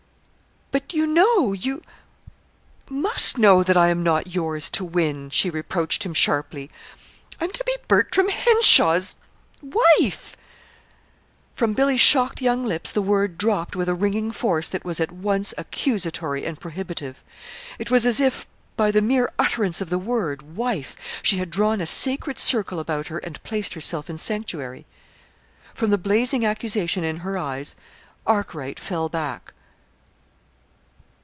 "But you know you must know that I am not yours to win!" she reproached him sharply. "I'm to be Bertram Henshaw's wife." From Billy's shocked young lips the word dropped with a ringing force that was at once accusatory and prohibitive. It was as if, by the mere utterance of the word, wife, she had drawn a sacred circle about her and placed herself in sanctuary. From the blazing accusation in her eyes Arkwright fell back.